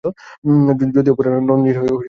যদিও পুরাণে নন্দীর এই রূপটি বিরল।